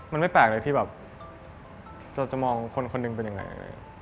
มันไม่แปลกเลยที่แบบเราจะมองคนคนหนึ่งเป็นยังไง